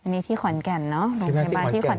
นี่ที่ขวัญกันเนอะโรงพยาบาลที่ขวัญกัน